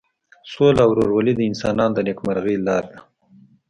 سوله او ورورولي د انسانانو د نیکمرغۍ لاره ده.